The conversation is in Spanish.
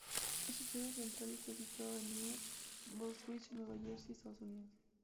Su sede central está situada en New Brunswick, Nueva Jersey, Estados Unidos.